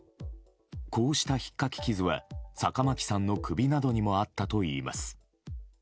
こうしたひっかき傷は坂巻さんの首などにもあったといいます。